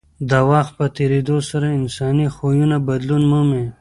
د وخت په تېرېدو سره انساني خویونه بدلون مومي.